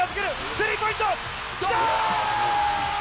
スリーポイント、きた！